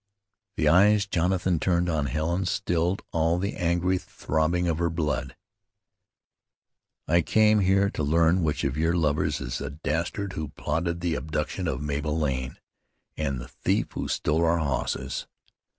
The eyes Jonathan turned on Helen stilled all the angry throbbing of her blood. "I come here to learn which of your lovers is the dastard who plotted the abduction of Mabel Lane, an' the thief who stole our hosses.